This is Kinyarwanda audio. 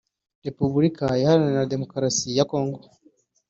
Repubulika Iharanira Demokarasi ya Kongo